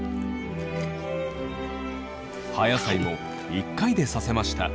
葉野菜も１回で刺せました。